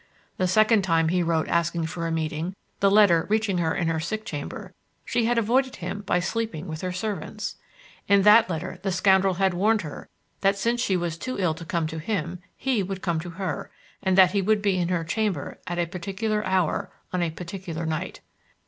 The second time he wrote asking for a meeting, the letter reaching her in her sick chamber, she had avoided him by sleeping with her servants. In that letter the scoundrel had warned her that, since she was too ill to come to him, he would come to her, and that he would be in her chamber at a particular hour on a particular night.